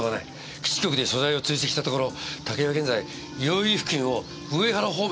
基地局で所在を追跡したところ武井は現在代々木付近を上原方面に向かって移動中だ。